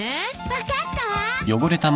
分かったわ。